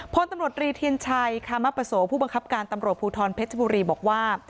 พลตำรวจรีเทียนชัยคามปโสผู้บังคับการตำรวจภูทรเพชรบุรีบอกว่า